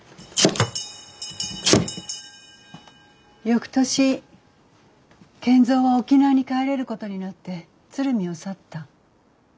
翌年賢三は沖縄に帰れることになって鶴見を去った。